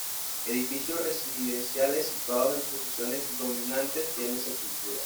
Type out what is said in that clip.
Edificios residenciales situados en posiciones dominantes tienen sepulturas.